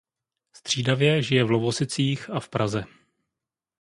Střídavě žije v Lovosicích a v Praze.